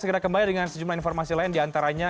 segera kembali dengan sejumlah informasi lain diantaranya